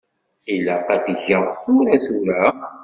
Ilaq ad t-geɣ tura tura?